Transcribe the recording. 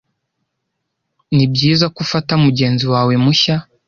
nibyiza ko ufata mugenzi wawe mushya